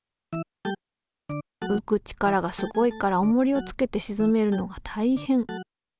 浮く力がすごいからおもりをつけてしずめるのがたいへん。